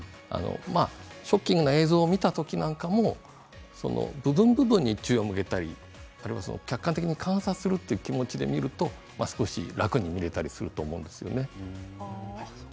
ショッキングな映像を見た時なんかも部分、部分に注意を向けたり客観的に観察するという気持ちで見ると、少し楽に見られたりすることができます。